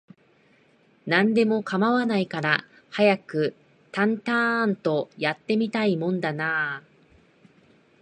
何でも構わないから、早くタンタアーンと、やって見たいもんだなあ